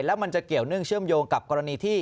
แล้วมันจะเกี่ยวเนื่องเชื่อมโยงกับกรณีที่